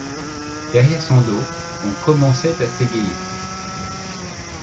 Derrière son dos, on commençait à s’égayer.